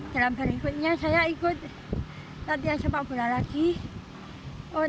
dalam berikutnya saya ikut latihan sepak bola lagi